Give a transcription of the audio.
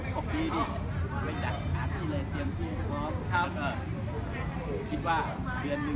คือเรียกว่ารักกับดำนาน